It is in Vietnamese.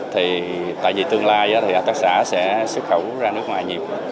thì tại vì tương lai thì hợp tác xã sẽ xuất khẩu ra nước ngoài nhiều